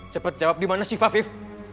cepet jawab dimana syifa afif